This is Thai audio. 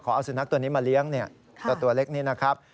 เอาสุนัขตัวนี้มาเลี้ยงตัวเล็กนี้นะครับ